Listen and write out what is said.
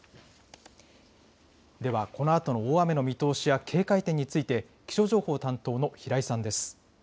では、このあとの大雨の見通しや警戒点について気象情報担当の平井さんです。